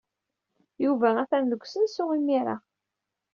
Yuba atan deg usensu, imir-a.